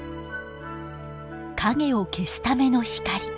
影を消すための光。